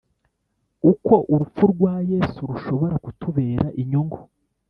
Uko urupfu rwa Yesu rushobora kutubera inyungu